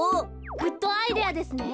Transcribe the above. グッドアイデアですね。